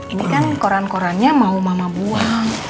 ini kan koran korannya mau mama buang